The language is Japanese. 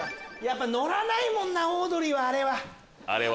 乗らないもんなオードリーはあれ。